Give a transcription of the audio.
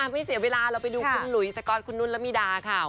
ไม่เสียเวลาเราไปดูคุณหลุยสก๊อตคุณนุ่นละมิดาค่ะ